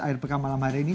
akhir pekan malam hari ini